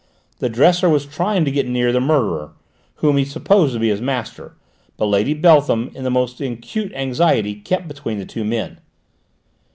The dresser was trying to get near the murderer, whom he supposed to be his master, but Lady Beltham, in the most acute anxiety, kept between the two men.